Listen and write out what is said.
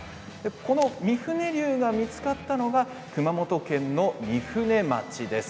このミフネリュウが見つかったのが熊本県の御船町です。